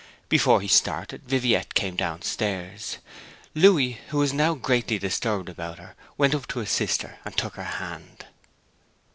Before he had started Viviette came downstairs. Louis, who was now greatly disturbed about her, went up to his sister and took her hand.